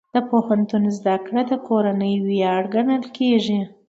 د پوهنتون زده کړه د کورنۍ ویاړ ګڼل کېږي.